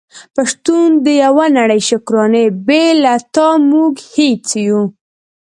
په شتون د يوه نړی شکرانې بې له تا موږ هيڅ يو ❤️